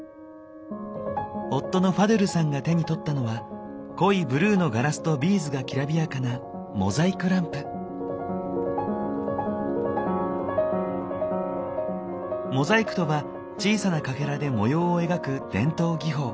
夫のファドゥルさんが手に取ったのは濃いブルーのガラスとビーズがきらびやかなモザイクとは小さなかけらで模様を描く伝統技法。